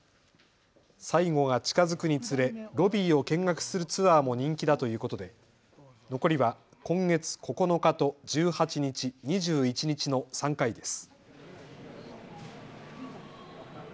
最後が近づくにつれロビーを見学するツアーも人気だということで残りは今月９日と１８日、２１日の３回です。